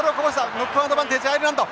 ノックオンアドバンテージアイルランド。